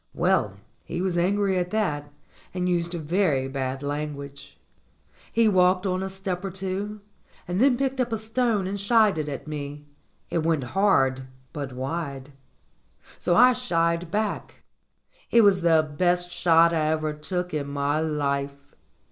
Well, he was angry at that, and used very bad lan guage. He walked on a step or two, and then picked up a stone and shied it at me. It went hard, but wide. So I shied back. It was the best shot I ever took in my life.